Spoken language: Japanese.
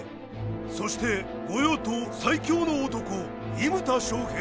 そして御用盗最強の男伊牟田尚平。